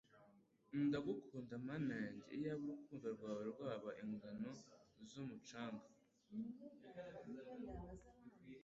Ndagukunda Mana yanjye iyaba urukundo rwawe rwaba ingano z'umucanga,